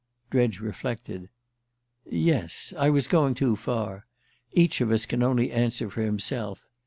Dredge reflected. "Yes: I was going too far. Each of us can only answer for himself.